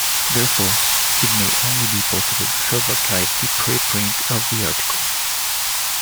Therefore it may only be possible to self-archive the pre-print of the article.